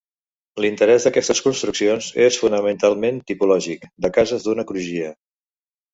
L'interès d'aquestes construccions és fonamentalment tipològic, de cases d'una crugia.